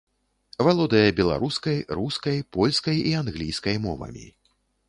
Валодае беларускай, рускай, польскай і англійскай мовамі.